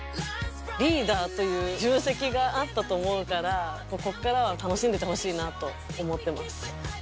リーダーという重責があったと思うからここからは楽しんでいってほしいなと思ってます。